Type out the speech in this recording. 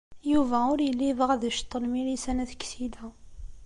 Yuba ur yelli yebɣa ad iceṭṭen Milisa n At Ksila.